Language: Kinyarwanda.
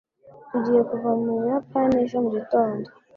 Tugiye kuva mu Buyapani ejo mu gitondo.